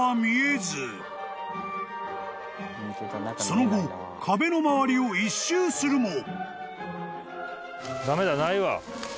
［その後壁の周りを一周するも］